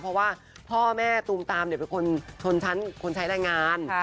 เพราะว่าพ่อแม่ตูมตามเป็นคนชนชั้นคนใช้แรงงาน